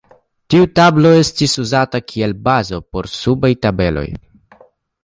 Tiu tabelo estis uzata kiel bazo por la subaj tabeloj.